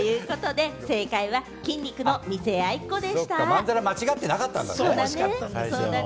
まんざら間違ってなかったんだね、最初の。